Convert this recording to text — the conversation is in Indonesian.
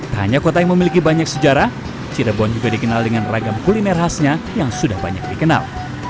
tak hanya kota yang memiliki banyak sejarah cirebon juga dikenal dengan ragam kuliner khasnya yang sudah banyak dikenal